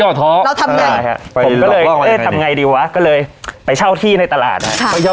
เราทำไงผมก็เลยเอ๊ะทำไงดีวะก็เลยไปเช่าที่ในตลาดนะครับ